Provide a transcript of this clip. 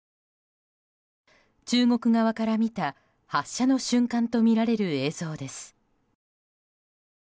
中国側から見た発射の瞬間とみられる映像です。